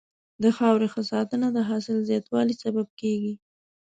د خاورې ښه ساتنه د حاصل زیاتوالي سبب کېږي.